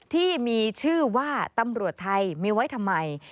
ที่มีชื่อว่าตำรวจไทยมีไว้ทำไม